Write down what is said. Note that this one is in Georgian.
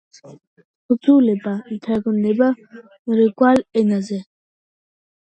თხზულება ითარგმნა მრავალ ენაზე.